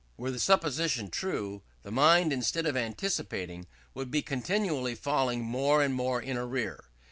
Were the supposition true, the mind, instead of anticipating, would be continually falling more and more in arrear.